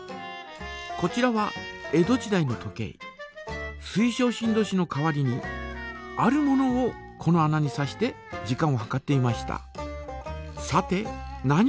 こちらは水晶振動子の代わりにあるものをこの穴に挿して時間を計っていました。